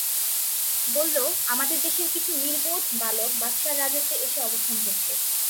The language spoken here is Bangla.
বলল, আমাদের দেশের কিছু নির্বোধ বালক বাদশাহর রাজত্বে এসে অবস্থান করছে।